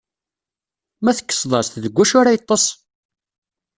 Ma tekkseḍ-as-t, deg wacu ara yeṭṭeṣ?